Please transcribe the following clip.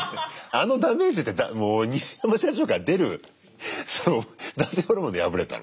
あのダメージってニシヤマ社長から出るその男性ホルモンで破れたの？